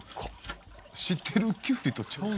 知ってるきゅうりとちゃうな。